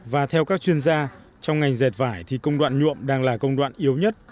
và theo các chuyên gia trong ngành dệt vải thì công đoạn nhuộm đang là công đoạn yếu nhất